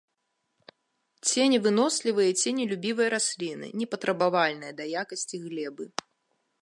Ценевынослівыя і ценелюбівыя расліны, непатрабавальныя да якасці глебы.